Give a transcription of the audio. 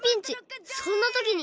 そんなときに！